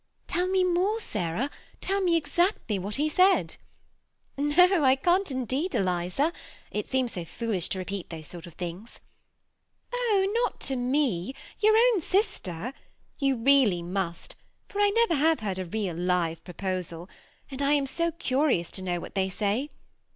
''Tell me more, Sarah; tell me exactly what he said." THE SEMI ATTACHED COUPLE. 237 ^'No, I can't indeed, Eliza; it seems so foolish to repeat those sort of things." " Oh ! not to me. your own sister. You really must, for I never have heard a real, live proposal^ and I am so curious to know what they say.